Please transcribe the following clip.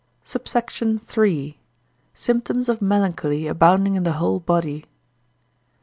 SUBSECT. III.—Symptoms of Melancholy abounding in the whole body.